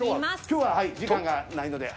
今日は時間がないので。